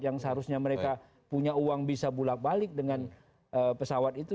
yang seharusnya mereka punya uang bisa bulat balik dengan pesawat itu